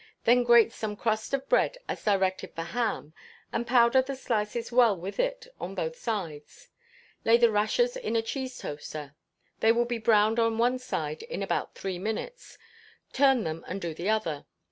Then grate some crust of bread as directed for ham, and powder the slices well with it on both sides; lay the rashers in a cheese toaster, they will be browned on one side in about three minutes: turn them and do the other.